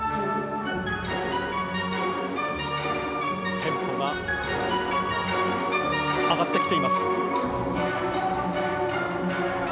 テンポが上がってきています。